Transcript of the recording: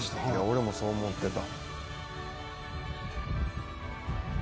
「俺もそう思ってた」